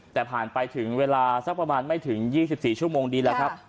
แต่ผ่านไปถึงเวลาสักประมาณไม่ถึง๒๔ชั่วโมงดีแล้วครับ